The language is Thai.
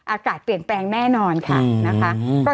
อากาศเปลี่ยนแปลงแน่นอนค่ะนะคะ